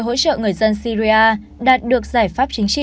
hỗ trợ người dân syria đạt được giải pháp chính trị